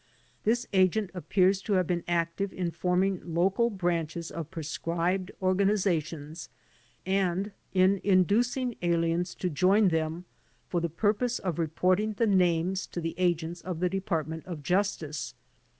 This agent appears to have been active in forming local branches of pro scribed organizations and in inducing aliens to join them for the purpose of reporting the names to the agents of the Department of Justice.